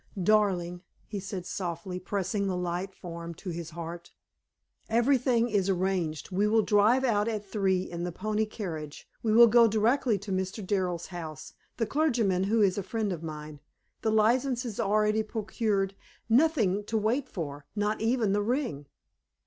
"Darling," he said softly, pressing the light form to his heart, "everything is arranged. We will drive out at three in the pony carriage. We will go direct to Mr. Darrell's house the clergyman who is a friend of mine the license is already procured; nothing to wait for not even the ring."